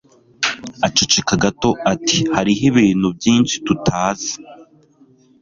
aceceka gato ati hariho ibintu byinshi tutazi